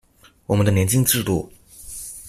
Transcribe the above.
我們的年金制度